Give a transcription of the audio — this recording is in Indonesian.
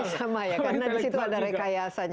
ini sama ya karena disitu ada rekayasanya